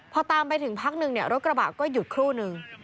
พอตามไปถึงพักหนึ่งรถกระบะก็หยุดครู่นึง